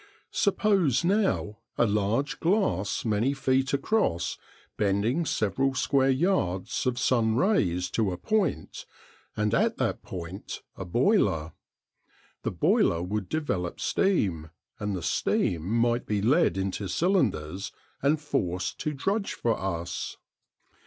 Suppose now a large glass many feet across bending several square yards of sun rays to a point, and at that point a boiler. The boiler would develop steam, and the steam might be led into cylinders and forced to drudge for us.